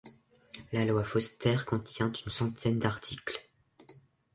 La Loi Forster contient une centaine d'articles.